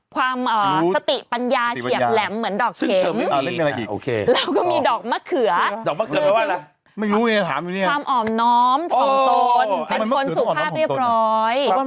ความสติปัญญาเฉียบแหลมเหมือนดอกเข็มเราก็มีดอกมะเขือคือจริงความออมน้อมออมตนเป็นคนสุขภาพเรียบร้อย